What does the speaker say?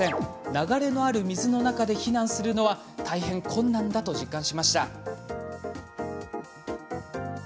流れのある水の中で避難するのは大変困難だと実感しました。